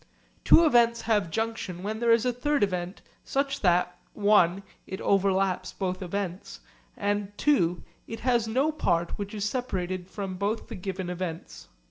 Two events have junction when there is a third event such that (i) it overlaps both events and (ii) it has no part which is separated from both the given events.